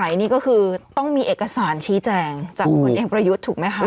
นี่ก็คือต้องมีเอกสารชี้แจงจากคนเอกประยุทธ์ถูกไหมคะ